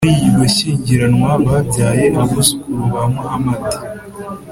muri iryo shyingiranwa babyaye abuzukuru ba muhamadi